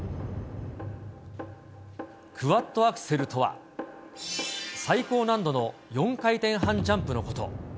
クワッドアクセルとは、最高難度の４回転半ジャンプのこと。